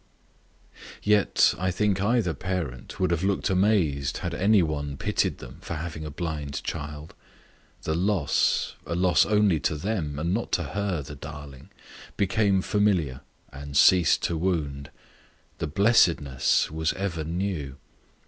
Yet, I think either parent would have looked amazed had any one pitied them for having a blind child. The loss a loss only to them, and not to her, the darling! became familiar, and ceased to wound; the blessedness was ever new.